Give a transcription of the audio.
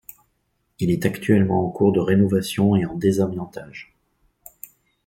Elle est actuellement en cours de rénovation et en désamiantage.